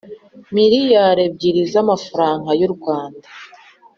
Miriyari ebyiri z’ amafaranga Yu Rwanda